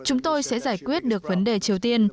chúng tôi sẽ giải quyết được vấn đề triều tiên